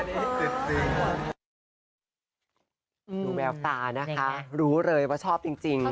ดูแววตานะคะรู้เลยว่าชอบจริง